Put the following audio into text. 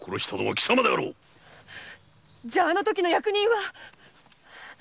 じゃあのときの役人は？